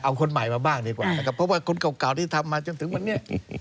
เอาคนใหม่มาบ้างดีกว่านะครับเพราะว่าคนเก่าที่ทำมาจนถึงวันนี้